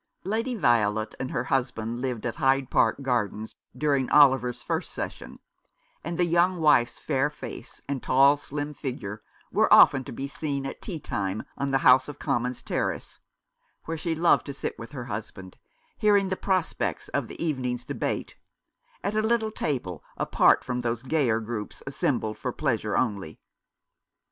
Lady Violet and her husband lived at Hyde Park Gardens during Oliver's first session ; and the young wife's fair face and tall, slim figure were often to be seen at tea time on the House <ji8 The American Remembers. of Commons terraee, where she loved to sit with her husband, hearing the prospects of the even ing's debate, at a little table apart from those gayer groups assembled for pleasure only.